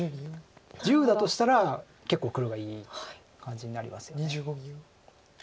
１０だとしたら結構黒がいい感じになりますよね。